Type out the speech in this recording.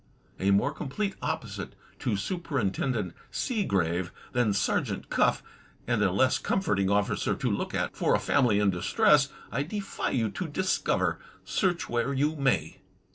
A more complete opposite to Superintendent Seegrave than Sergeant Cuff, and a less comforting officer to look at for a family in distress, I defy you to discover, search where you may.